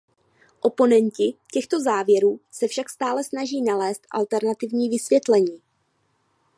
Oponenti těchto závěrů se však stále snaží nalézt alternativní vysvětlení.